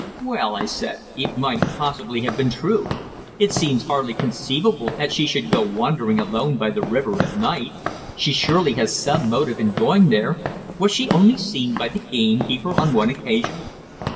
"Well," I said, "it might possibly have been true. It seems hardly conceivable that she should go wandering alone by the river at night. She surely had some motive in going there. Was she only seen by the gamekeeper on one occasion?"